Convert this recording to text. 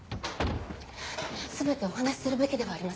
全てお話しするべきではありませんか？